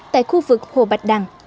tại khu vực hồ bạch đằng